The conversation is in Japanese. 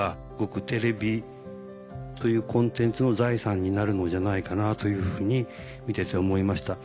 テレビというコンテンツの財産になるのじゃないかなというふうに見てて思いました。